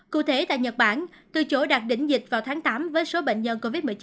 cụ thể tại nhật bản từ chỗ đạt đỉnh dịch vào tháng tám với số bệnh nhân covid một mươi chín